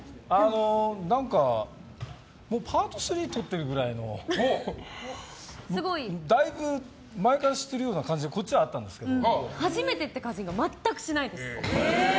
何かパート３撮っているぐらいのだいぶ前から知ってるような感じで初めてって感じが全くしないです。